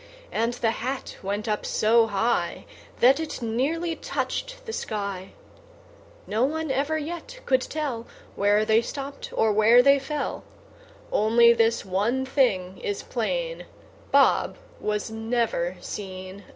And the hat went up so high, That it nearly touched the sky. No one ever yet could tell Where they stopped, or where they fell: Only this one thing is plain, Bob was never seen again!